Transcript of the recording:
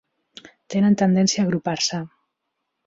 Tenen tendència a agrupar-se.